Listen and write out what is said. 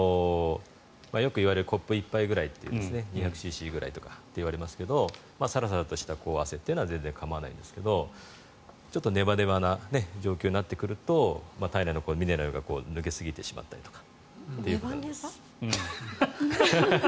よく言われるコップ１杯ぐらい２００ｃｃぐらいって言われますがサラサラとした汗は全然構わないんですがちょっとねばねばな状況になってくると体内のミネラルが抜け過ぎてしまったりとか。